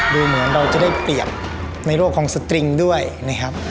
ดูเหมือนเราจะได้เปรียบในโลกของสตริงด้วยนะครับ